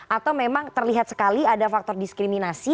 atau memang terlihat sekali ada faktor diskriminasi